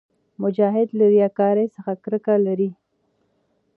مجاهد له ریاکارۍ څخه کرکه لري.